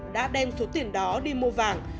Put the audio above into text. đã đem số tiền đó đi mua vàng